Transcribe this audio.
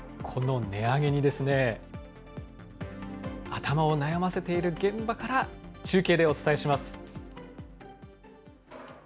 この値上げにですね、頭を悩ませている現場から中継でお伝えします。